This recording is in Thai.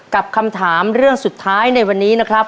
กับคำถามเรื่องสุดท้ายในวันนี้นะครับ